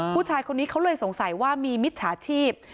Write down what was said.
ผู้ชายคนนี้เขาเลยสงสัยว่ามีมิจฉาชีพ